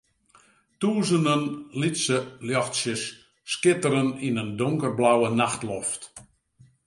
Tûzenen lytse ljochtsjes skitteren yn in donkerblauwe nachtloft.